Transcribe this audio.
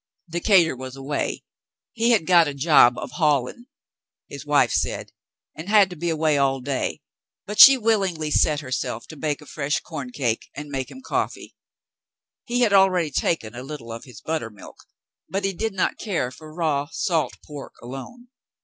Decatur was away. He had got a "job of hauling,'* his wife said, and had to be away all day, but she willingly set herself to bake a fresh corn cake and make him coffee. He had already taken a little of his buttermilk, but he did not care for raw salt pork alone.